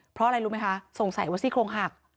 เพราะอะไรรู้ไหมคะสงสัยว่าซี่โครงหัก